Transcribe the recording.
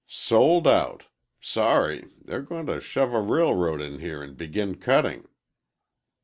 "Sold out! Sorry! They're going to shove a railroad in here and begin cutting."